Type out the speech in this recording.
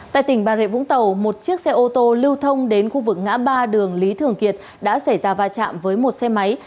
tại tỉnh bà rịa vũng tàu một chiếc xe ô tô lưu thông đến khu vực ngã ba đường lý thường kiệt đã xảy ra va chạm với một xe máy